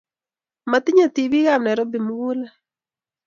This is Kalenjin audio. Matinyei tibikab Nairobi mugulel